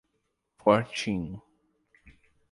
Fortim